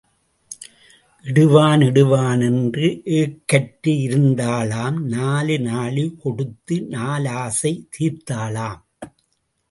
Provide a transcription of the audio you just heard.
இடுவான் இடுவான் என்று ஏக்கற்று இருந்தாளாம் நாலு நாழி கொடுத்து நாலாசை தீர்த்தாளாம்.